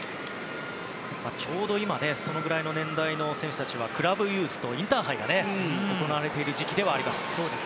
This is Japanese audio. ちょうど今そのくらいの年代の選手たちはクラブユースとインターハイが行われている時期です。